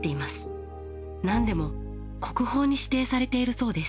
何でも国宝に指定されているそうです。